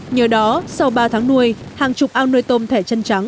nhờ đó sau ba tháng nuôi hàng chục ao nuôi tôm thẻ chân trắng